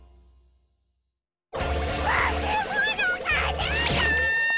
ばけものがでた！